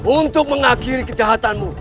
untuk mengakhiri kejahatanmu